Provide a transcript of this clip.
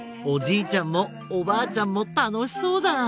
おじいちゃんもおばあちゃんもたのしそうだ。